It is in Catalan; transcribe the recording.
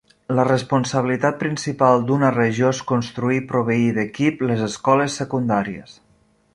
La responsabilitat principal d'una regió és construir i proveir d'equip les escoles secundàries.